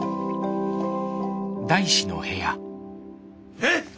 えっ！